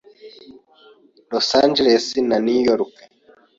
Los Angeles na New York